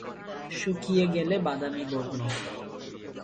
শুকিয়ে গেলে বাদামি বর্ণ।